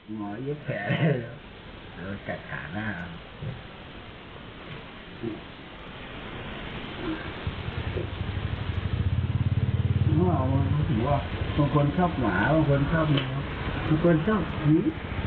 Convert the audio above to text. มีหวานใจที่ว่ามีผู้หญิงชอบหมามีผู้หญิงชอบหมามีผู้หญิงชอบหมา